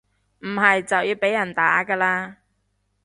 唔係就要被人打㗎喇